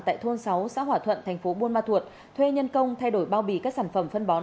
tại thôn sáu xã hỏa thuận thành phố buôn ma thuột thuê nhân công thay đổi bao bì các sản phẩm phân bón